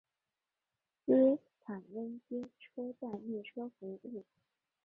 斯坦威街车站列车服务。